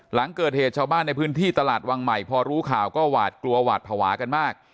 หลังเกิดเหตุชาวบ้านในพื้นที่ตลาดวังใหม่พอรู้ข่าวก็หวาดกลัวหวาดภาวะกันมาก